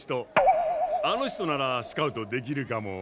あの人ならスカウトできるかも。